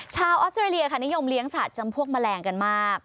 ออสเตรเลียค่ะนิยมเลี้ยงสัตว์จำพวกแมลงกันมาก